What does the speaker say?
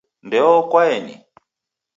Ndeo oko aeni?